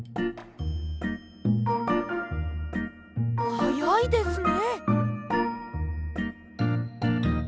はやいですね。